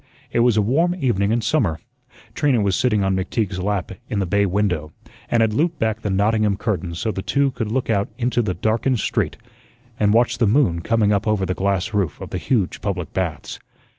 It was a warm evening in summer. Trina was sitting on McTeague's lap in the bay window, and had looped back the Nottingham curtains so the two could look out into the darkened street and watch the moon coming up over the glass roof of the huge public baths.